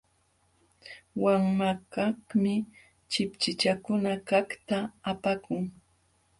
Wanmankaqmi chipchichakunakaqta apakun.